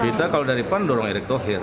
kita kalau daripan dorong erick tohir